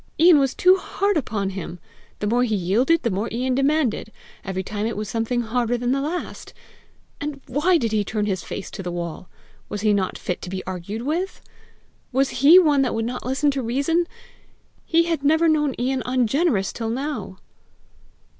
Ian was too hard upon him! The more he yielded, the more Ian demanded! Every time it was something harder than the last! And why did he turn his face to the wall? Was he not fit to be argued with! Was he one that would not listen to reason! He had never known Ian ungenerous till now!